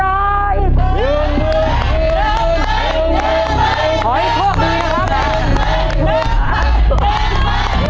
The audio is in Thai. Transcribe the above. ตายถอยทั่วปีแล้วครับ